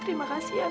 terima kasih anak